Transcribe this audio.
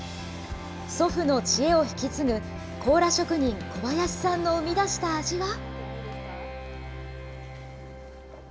祖父の知恵を引き継ぐ、コーラ職人、小林さんの生み出した味は。